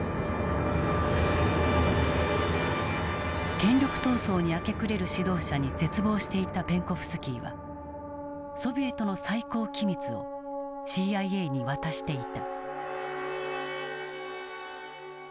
権力闘争に明け暮れる指導者に絶望していたペンコフスキーはソビエトの最高機密をＣＩＡに渡していた。